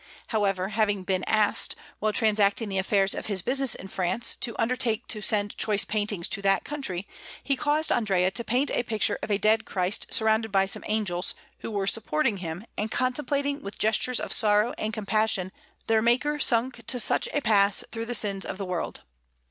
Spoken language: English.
However, having been asked, while transacting the affairs of his business in France, to undertake to send choice paintings to that country, he caused Andrea to paint a picture of a Dead Christ surrounded by some Angels, who were supporting Him and contemplating with gestures of sorrow and compassion their Maker sunk to such a pass through the sins of the world.